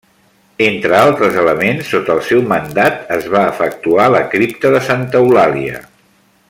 Entre altres elements, sota el seu mandat es va efectuar la cripta de santa Eulàlia.